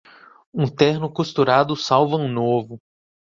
Um terno costurado salva um novo.